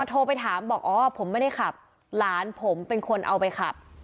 โทรไปถามบอกอ๋อผมไม่ได้ขับหลานผมเป็นคนเอาไปขับ